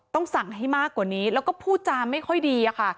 ต้องสั่งให้มากกว่านี้แล้วก็พูดจาไม่ค่อยดีอะค่ะ